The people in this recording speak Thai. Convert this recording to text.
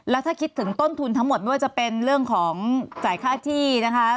แล้วถ้าคิดถึงต้นทุนทั้งหมดไม่ว่าจะเป็นเรื่องของจ่ายค่าที่นะคะ